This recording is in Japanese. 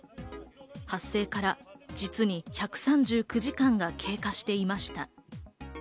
発生から実に１３９時間が経過していました。